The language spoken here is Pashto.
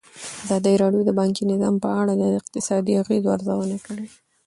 ازادي راډیو د بانکي نظام په اړه د اقتصادي اغېزو ارزونه کړې.